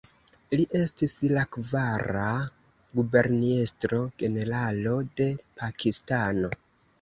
Li estis la kvara guberniestro-generalo de Pakistano.